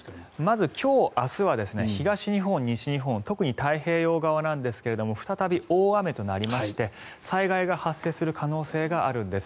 まず今日明日は東日本、西日本特に太平洋側なんですが再び大雨となりまして災害が発生する可能性があるんです。